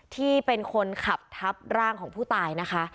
ที่เป็นคนขับทับร่างของผู้ตายนะคะ